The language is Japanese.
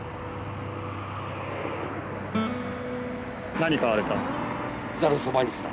何買われたんですか？